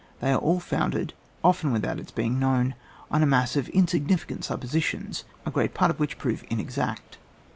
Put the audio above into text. They are all founded, often without its being known, on a mass of insignificant suppositions, a great part of which prove inexact.